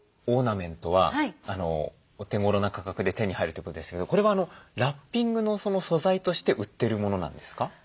オーナメントはお手頃な価格で手に入るってことですけどこれはラッピングの素材として売ってるものなんですか？